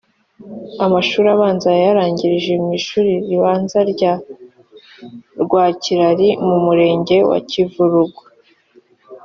Amashuri abanza yayarangirije mu Ishuri Ribanza rya Rwakirari mu murenge wa Kivuruga